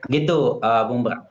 begitu bung brang